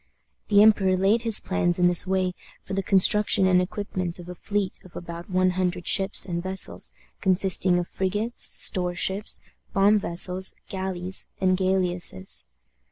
The emperor laid his plans in this way for the construction and equipment of a fleet of about one hundred ships and vessels, consisting of frigates, store ships, bomb vessels, galleys, and galliasses.